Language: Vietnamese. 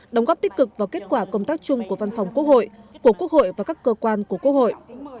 đóng góp tích cực vào kết quả công tác chung của văn phòng quốc hội của quốc hội và các cơ quan của quốc hội